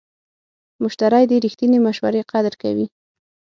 مشتری د رښتینې مشورې قدر کوي.